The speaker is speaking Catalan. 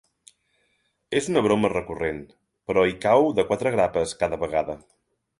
És una broma recurrent, però hi cau de quatre grapes cada vegada.